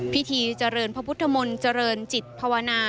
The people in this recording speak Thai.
พิธีเจริญพระพุทธมนต์เจริญจิตภาวนา